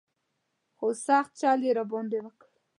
خو سخت چل یې را باندې وکړ.